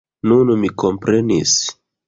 Nun, mi komprenis.